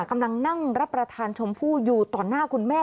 กำลังนั่งรับประทานชมพู่อยู่ต่อหน้าคุณแม่